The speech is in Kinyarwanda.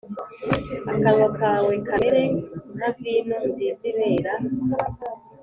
akanwa kawe kamere nka vino nziza Ibera